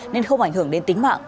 nên không ảnh hưởng đến tính mạng